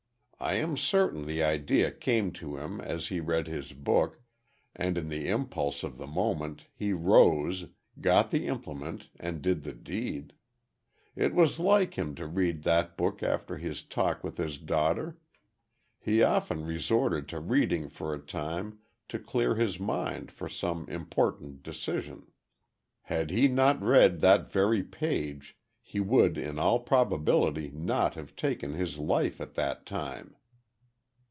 I am certain the idea came to him, as he read his book, and in the impulse of the moment he rose, got the implement and did the deed. It was like him to read that book after his talk with his daughter. He often resorted to reading for a time to clear his mind for some important decision. Had he not read that very page, he would in all probability not have taken his life at that time."